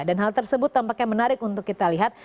dan hal tersebut tampaknya menarik untuk kita lihat